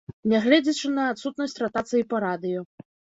Нягледзячы на адсутнасць ратацыі па радыё.